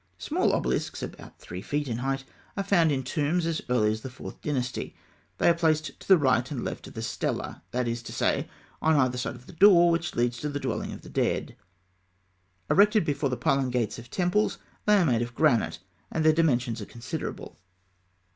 Small obelisks, about three feet in height, are found in tombs as early as the Fourth Dynasty. They are placed to right and left of the stela; that is to say, on either side of the door which leads to the dwelling of the dead. Erected before the pylon gates of temples, they are made of granite, and their dimensions are considerable.